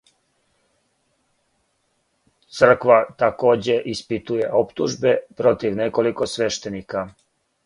Црква такође испитује оптужбе против неколико свештеника.